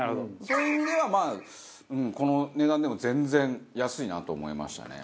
そういう意味ではまあこの値段でも全然安いなと思いましたね。